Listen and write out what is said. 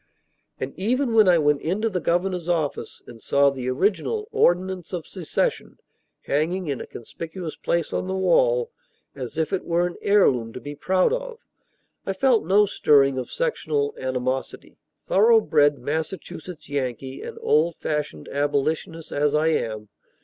And even when I went into the governor's office, and saw the original "ordinance of secession" hanging in a conspicuous place on the wall, as if it were an heirloom to be proud of, I felt no stirring of sectional animosity, thorough bred Massachusetts Yankee and old fashioned abolitionist as I am.